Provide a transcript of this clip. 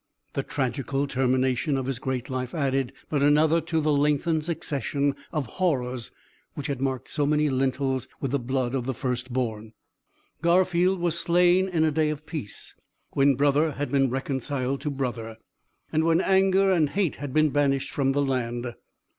The tragical termination of his great life added but another to the lengthened succession of horrors which had marked so many lintels with the blood of the first born. Garfield was slain in a day of peace, when brother had been reconciled to brother, and when anger and hate had been banished from the land.